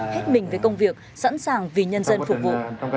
hết mình với công việc sẵn sàng vì nhân dân phục vụ